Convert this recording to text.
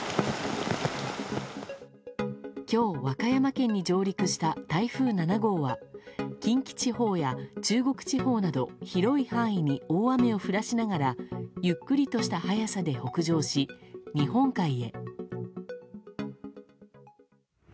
今日、和歌山県に上陸した台風７号は近畿地方や中国地方など広い範囲に大雨を降らしながらゆっくりとした速さで北上し日本海へ。